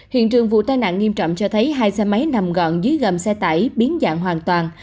hiện trường vụ tai nạn nghiêm trọng cho thấy hai xe máy nằm gọn dưới gầm xe tải biến dạng hoàn toàn